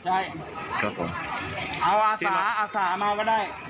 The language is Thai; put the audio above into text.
ใช่เอาอาสาอาสามาก็ได้